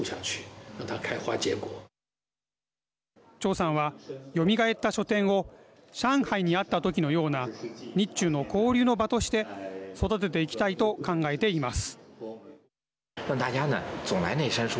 趙さんはよみがえった書店を上海にあった時のような日中の交流の場として育てていきたいと考えています。